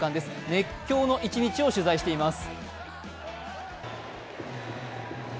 熱狂の１日を取材しています。